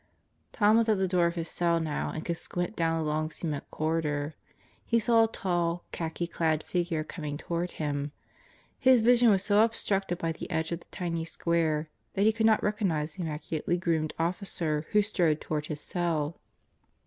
Tom was at the door of his cell now and could squint down the long cement corridor. He saw a tall, khaki clad figure coming toward him. His vision was so obstructed by the edge of the tiny square that he could not recognize the immaculately groomed officer who strode toward his cell.